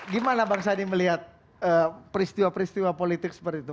gimana bang sandi melihat peristiwa peristiwa politik seperti itu